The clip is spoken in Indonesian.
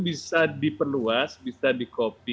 bisa diperluas bisa dikonsumsi